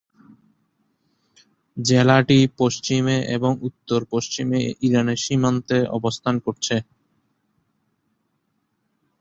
জেলাটি পশ্চিমে এবং উত্তর পশ্চিমে ইরানের সীমান্ত অবস্থান করছে।